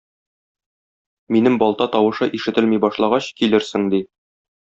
Минем балта тавышы ишетелми башлагач, килерсең,- ди.